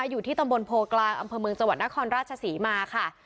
อยู่ที่ตำบลโพกลางอำเภอเมืองจังหวัดนครราชศรีมาค่ะ